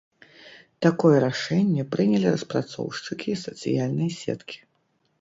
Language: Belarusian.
Такое рашэнне прынялі распрацоўшчыкі сацыяльнай сеткі.